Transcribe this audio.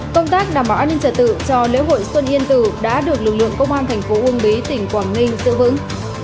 công tác đảm bảo an ninh trả tự cho lễ hội xuân yên tử đã được lực lượng công an thành phố uông bí tỉnh quảng ninh giữ vững